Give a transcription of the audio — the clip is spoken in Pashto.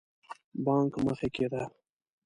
بانک مخکې ده